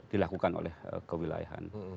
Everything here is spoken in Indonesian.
dilakukan oleh kewilayahan